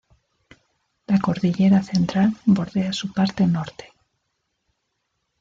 La cordillera Central bordea su parte Norte.